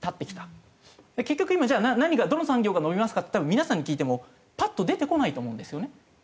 結局今じゃあ何がどの産業が伸びますかって多分皆さんに聞いてもパッと出てこないと思うんですよね。